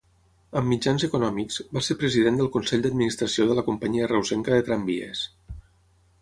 Amb mitjans econòmics, va ser president del consell d'administració de la Companyia Reusenca de Tramvies.